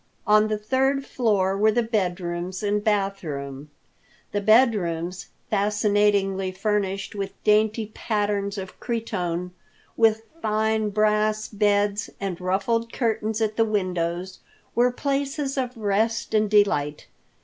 On the third floor were the bed rooms and bath room. The bed rooms, fascinatingly furnished with dainty patterns of cretonne, with fine brass beds, and ruffled curtains at the windows, were places of rest and delight.